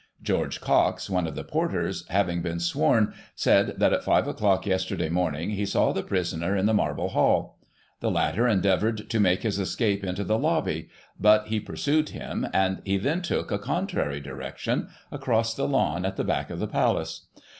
George Cox, one of the porters^ having been sworn, said, that at five o'clock yesterday morning he saw the prisoner in the Marble hall. The latter endeavoured to make his escape into the lobby, but he pursued him, and he then took Digiti ized by Google 72 GOSSIP. [1838 a contrary direction, across the lawn at the back of the Palace.